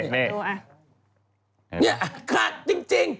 เนี่ยคาดจริง